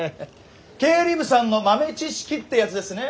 経理部さんの豆知識ってやつですね。